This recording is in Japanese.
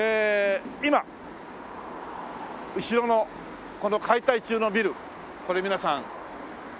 今後ろのこの解体中のビルこれ皆さんおわかりですか？